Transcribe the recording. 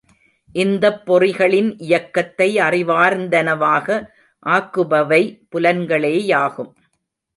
இந்தப் பொறிகளின் இயக்கத்தை அறிவார்ந்தனவாக ஆக்குபவை புலன்களேயாகும்.